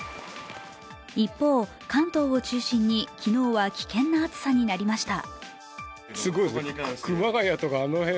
一方、関東を中心に昨日は危険な暑さになりました。